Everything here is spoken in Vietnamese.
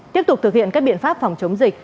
tiếp tục thực hiện các biện pháp phòng chống dịch